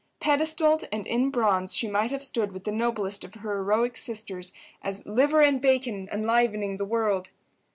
Pedestalled and in bronze she might have stood with the noblest of her heroic sisters as "Liver and Bacon Enlivening the World."